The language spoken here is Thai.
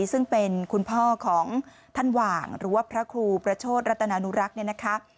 ซึ่งเป็นคุณพ่อของท่านหว่างหรือว่าพระครูประโชธรัตนานุรักษ์เนี่ยนะคะ